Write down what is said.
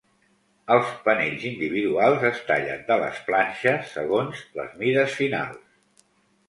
Els panells individuals es tallen de les planxes segons les mides finals.